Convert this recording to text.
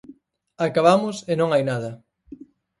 Acabamos e non hai nada.